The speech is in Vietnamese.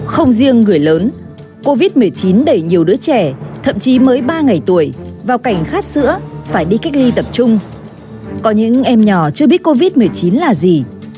không riêng người lớn covid một mươi chín đẩy nhiều đứa trẻ thậm chí mới ba ngày tuổi vào cảnh khát sữa phải đi cách ly tập trung có những em nhỏ chưa biết covid một mươi chín là gì